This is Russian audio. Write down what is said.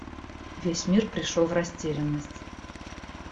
Весь мир пришел в растерянность.